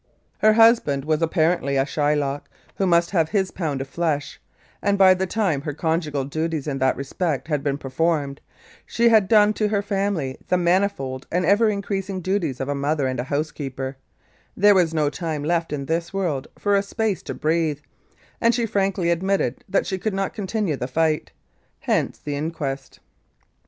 Her husband was apparently a Shy lock who must have his pound of flesh, and by the time her conjugal duties in that respect had been performed, and she had done to her family the manifold and ever increasing duties of a mother and a housekeeper, there was no time left in this world for a space to breathe, and she frankly admitted that she could not continue the fight. Hence the inquest.